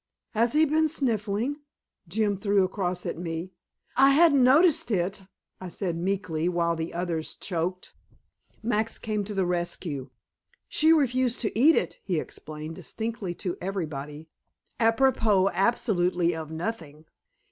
"Has he been sniffling?" Jim threw across at me. "I hadn't noticed it," I said meekly, while the others choked. Max came to the rescue. "She refused to eat it," he explained, distinctly and to everybody, apropos absolutely of nothing.